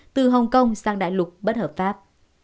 từ hồng kông sang đại lục bất hợp pháp